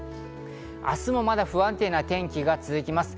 明日もまだ不安定な天気が続きます。